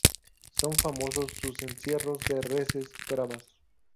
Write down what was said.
Son famosos sus encierros de reses bravas.